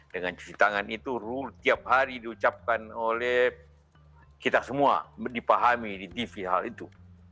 dengan cuci tangan itu rule tiap hari diucapkan oleh kita semua dipahami di tv hal itu